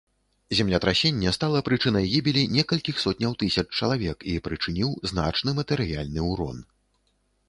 Землетрасенне стала прычынай гібелі некалькіх сотняў тысяч чалавек і прычыніў значны матэрыяльны ўрон.